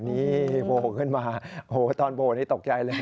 นี่โบขึ้นมาโหตอนโบนี้ตกใจเลย